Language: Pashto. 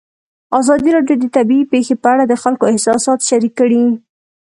ازادي راډیو د طبیعي پېښې په اړه د خلکو احساسات شریک کړي.